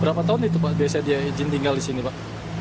berapa tahun itu pak biasanya dia izin tinggal di sini pak